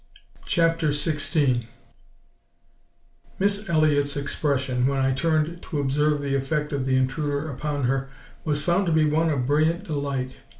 CHAPTER XVI Miss Elliott's expression, when I turned to observe the effect of the intruder upon her, was found to be one of brilliant delight.